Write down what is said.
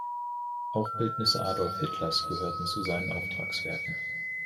Auch Bildnisse Adolf Hitlers gehörten zu seinen Auftragswerken.